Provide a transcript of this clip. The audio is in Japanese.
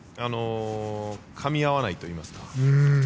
かみ合わないといいますか。